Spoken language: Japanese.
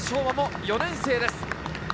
馬も４年生です。